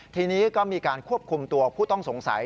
ทีนี้ก็มีการควบคุมตัวผู้ต้องสงสัย